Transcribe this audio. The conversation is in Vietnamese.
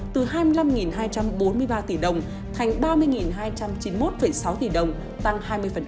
từ hai mươi năm hai trăm bốn mươi ba tỷ đồng thành ba mươi hai trăm chín mươi một sáu tỷ đồng tăng hai mươi